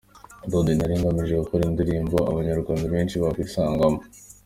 Daddy: Nari ngamije gukora indirimbo Abanyarwanda benshi bakwisangamo.